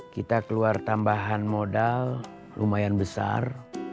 kita keluar tambahan modal lumayan besar